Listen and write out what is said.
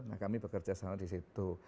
nah kami bekerja sama di situ